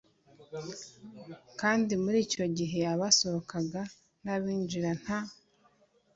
Kandi muri icyo gihe abasohokaga n abinjiraga nta